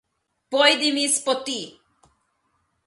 Pojdi mi s poti!